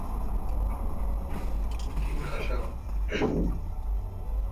Comilla model পরবর্তীতে অনুশীলনকারীদের দ্বারা লাভজনক হওয়ার যাবতীয় অভিজ্ঞতা সরবরাহ করেছিল।